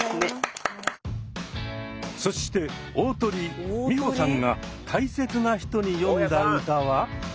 そして大トリ美穂さんが「大切な人」に詠んだ歌は。